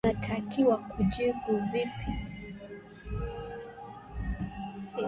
How am I supposed to answer?